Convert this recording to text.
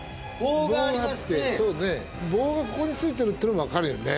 棒がここに付いてるっての分かるよね。